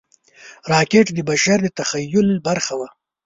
راکټ د بشر د تخیل برخه وه